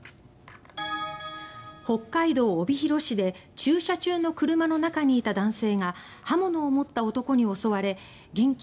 北海道帯広市で駐車中の車の中にいた男性が刃物を持った男に襲われ現金